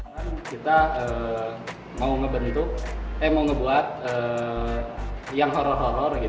kalau dia mau ngebentuk iya mau ngebuat yang horror horror